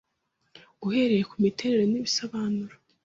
Uhereye ku miterere n’ibisobanuro